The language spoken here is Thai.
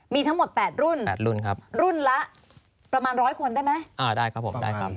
มีทั้งหมดแปดรุ่นแปดรุ่นครับรุ่นละประมาณร้อยคนได้ไหมอ่าได้ครับผมได้ครับ